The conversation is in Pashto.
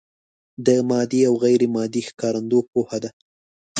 د مادي او غیر مادي ښکارندو پوهه ده.